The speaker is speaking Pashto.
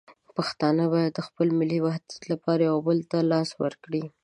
پښتانه باید د خپل ملي وحدت لپاره یو بل ته لاس ورکړي.